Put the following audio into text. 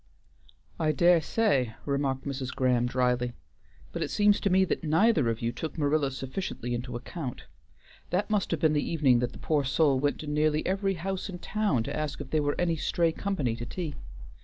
"I dare say," remarked Mrs. Graham drily, "but it seems to me that neither of you took Marilla sufficiently into account. That must have been the evening that the poor soul went to nearly every house in town to ask if there were any stray company to tea.